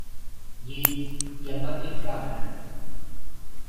Yeats y a Patrick Kavanagh.